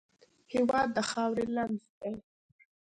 هېواد د خاورې لمس دی.